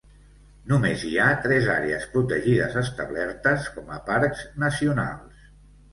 Només hi ha tres àrees protegides establertes com a parcs nacionals.